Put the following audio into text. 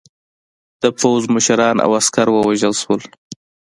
د پوځ مشران او عسکر ووژل شول.